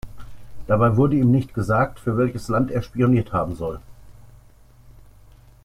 Dabei wurde ihm nicht gesagt, für welches Land er spioniert haben soll.